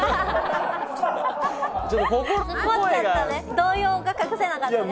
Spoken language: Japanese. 動揺が隠せなかったね。